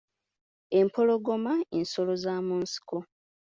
Empologoma nsolo za mu nsiko.